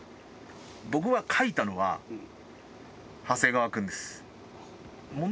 僕が書いたのは長谷川君です。